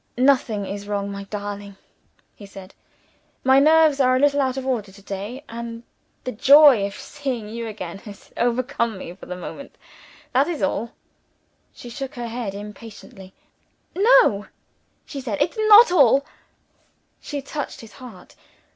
"Nothing is wrong, my darling," he said. "My nerves are a little out of order to day; and the joy of seeing you again has overcome me for the moment that is all." She shook her head impatiently. "No," she said, "it's not all." She touched his heart.